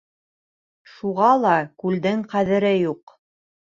Шуға ла күлдең ҡәҙере юҡ.